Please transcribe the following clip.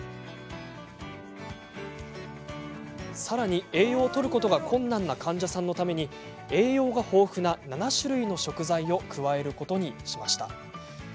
さらに、栄養をとることが困難な患者さんのために栄養が豊富な７種類の食材を加えることにしました。